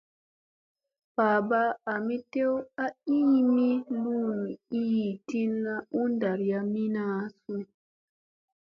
Babaa ,ami tew a iimi lumu ii tilla u ɗarayamina su ?